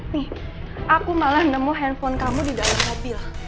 nih aku malah nemu handphone kamu di dalam mobil